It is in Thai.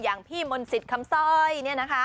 อย่างพี่มนต์สิทธิ์คำสร้อยเนี่ยนะคะ